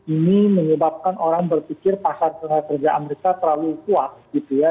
ini menyebabkan orang berpikir pasar tenaga kerja amerika terlalu kuat gitu ya